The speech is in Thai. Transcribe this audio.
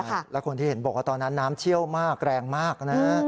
แล้วคนที่เห็นบอกว่าตอนนั้นน้ำเชี่ยวมากแรงมากนะฮะ